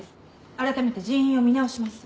あらためて人員を見直します。